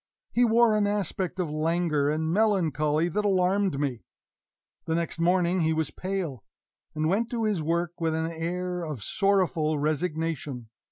He wore an aspect of languor and melancholy that alarmed me. The next morning he was pale, and went to his work with an air of sorrowful resignation.